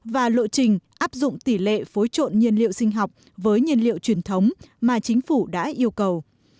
và lộ trình áp dụng tỷ lệ phối trộn nhiên liệu sinh học với nhiên liệu truyền thống mà chính phủ đã yêu cầu